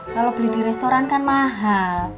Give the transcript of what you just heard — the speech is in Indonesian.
kalau beli di restoran kan mahal